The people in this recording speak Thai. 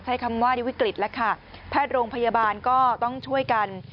ใช้คำว่าในวิกฤตแล้วค่ะแพทย์โรงพยาบาลก็ต้องช่วยกัน